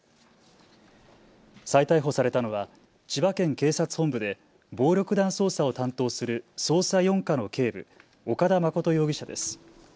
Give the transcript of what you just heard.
再逮捕されたのは千葉県警察本部で暴力団捜査を担当する捜査４課の警部岡田誠容疑者です。